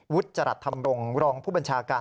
จรัฐธรรมรงค์รองผู้บัญชาการ